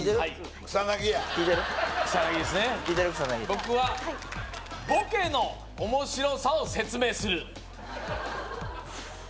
僕は「ボケの面白さを説明する」